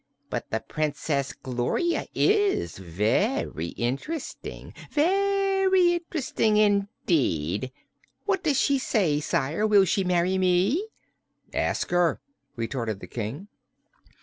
But the Princess Gloria is very interesting very interesting, indeed! What does she say, Sire? Will she marry me?" "Ask her," retorted the King.